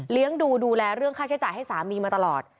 ดูดูแลเรื่องค่าใช้จ่ายให้สามีมาตลอด